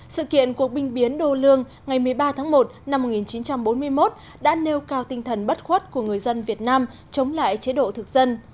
sự kiện cuộc binh biến đô lương ngày một mươi ba tháng một năm một nghìn chín trăm bốn mươi một đã nêu cao tinh thần bất khuất của người dân việt nam chống lại chế độ thực dân